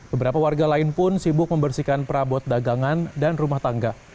beberapa warga lain pun sibuk membersihkan perabot dagangan dan rumah tangga